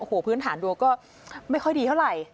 โอ้โหพื้นฐานดวงก็ไม่ค่อยดีเท่าไหร่